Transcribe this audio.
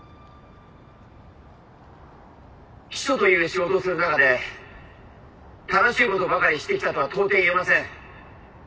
秘書という仕事をする中で正しいことばかりしてきたとは到底言えません。